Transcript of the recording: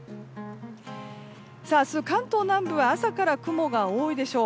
明日、関東南部は朝から雲が多いでしょう。